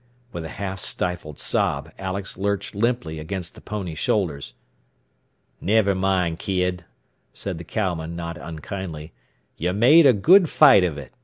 With a half stifled sob Alex lurched limply against the pony's shoulders. "Never mind, kid," said the cowman not unkindly. "You made a good fight of it.